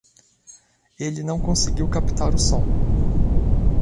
Ele não conseguiu captar o som.